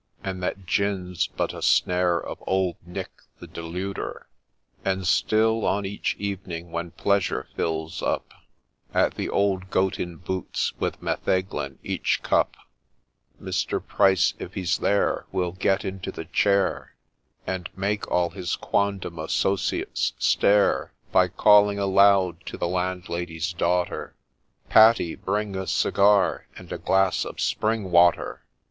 ' And that Gin 's but a Snare of Old Nick the deluder ! And * still on each evening when pleasure fills up,' At the old Goat in Boots, with Metheglin, each cup, Mr. Pryce, if he 'a there, Will get into ' The Chair,* And make all his quondam associates stare By calling aloud to the Landlady's daughter, ' Patty, bring a cigar, and a glass of Spring Water